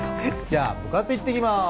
じゃあ部活行ってきます。